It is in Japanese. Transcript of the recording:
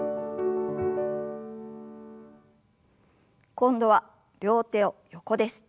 今度は両手を横です。